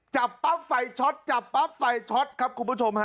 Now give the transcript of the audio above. จับปั๊บไฟช็อตจับปั๊บไฟช็อตครับคุณผู้ชมฮะ